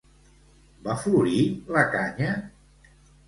Va florir la canya?